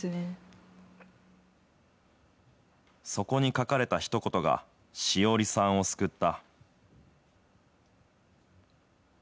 そこに書かれたひと言が、しおりさんを救った。